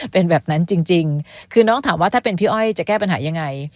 เป็นแบบนั้นจริงคือน้องถามว่าถ้าเป็นพี่อ้อยจะแก้ปัญหายังไง